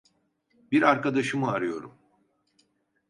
Bir arkadaşımı arıyorum.